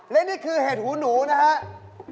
และนี่คือเห็ดหูหนูนะครับ